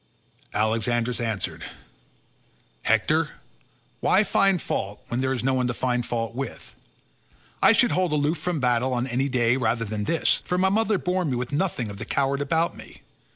Alexandrus answered, "Hector, why find fault when there is no one to find fault with? I should hold aloof from battle on any day rather than this, for my mother bore me with nothing of the coward about me.